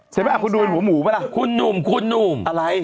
ใช่ไหมคุณดูเป็นหัวหมูไหมล่ะคุณหนุ่มอะไร